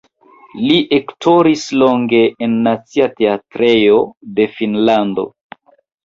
Li aktoris longe en nacia teatrejo de Finnlando.